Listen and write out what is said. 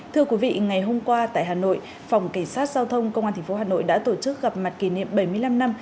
thưa quý vị ngày hôm qua tại hà nội phòng cảnh sát giao thông công an tp hà nội đã tổ chức gặp mặt kỷ niệm bảy mươi năm năm